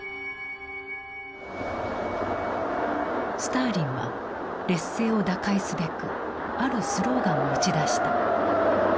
スターリンは劣勢を打開すべくあるスローガンを打ち出した。